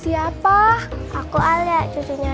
ih lucu adeknya